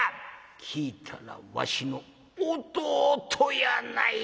聞いたらわしの弟やないか。